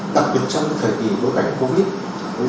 đặc biệt trong thời kỳ của cảnh covid